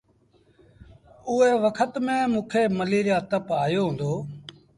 اُئي وکت ميݩ موݩ کي مليٚريآ تپ آيو هُݩدو۔